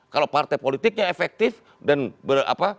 kalau partai politiknya efektif dan berapa